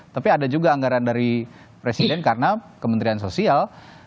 tapi ada juga anggaran dari presiden karena kementerian sosial